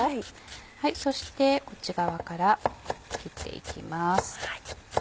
そしてこっち側から切っていきます。